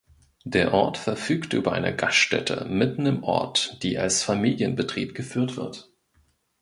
Der Ort verfügt über eine Gaststätte mitten im Ort, die als Familienbetrieb geführt wird.